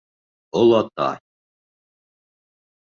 Олатай.